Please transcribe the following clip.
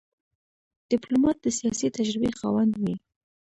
ډيپلومات د سیاسي تجربې خاوند وي.